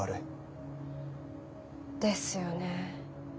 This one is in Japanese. ですよね。